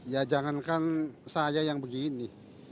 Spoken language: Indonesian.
ya jangankan saya yang begini